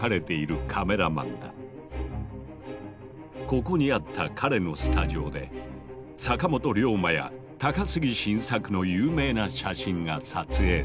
ここにあった彼のスタジオで坂本龍馬や高杉晋作の有名な写真が撮影された。